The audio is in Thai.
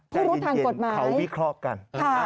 ใจเย็นเขาวิเคราะห์กัน